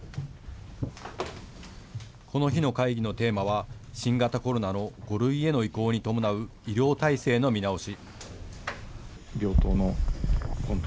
この日の会議のテーマは新型コロナの５類への移行に伴う医療体制の見直し。